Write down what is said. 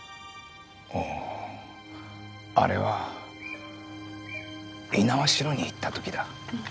あれは猪苗代に行った時だ。